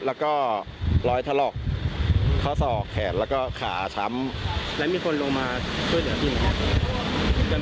แล้วก็รอยถลอกข้อศอกแขนแล้วก็ขาช้ำแล้วมีคนลงมาช่วยเหลือพี่ไหมครับ